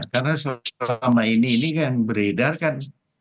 karena selama ini kan beredar kan